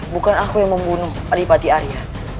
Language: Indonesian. bukan aku yang membunuh melipati arya